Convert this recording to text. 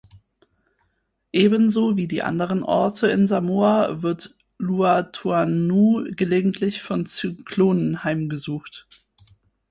Ebenso wie die anderen Orte in Samoa wird Luatuanu’u gelegentlich von Zyklonen heimgesucht.